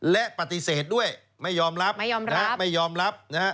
แล้วปฏิเสธด้วยไม่ยอมรับ